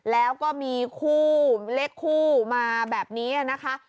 แล้วก็มีคู่เลขคู่มาแบบนี้นะคะ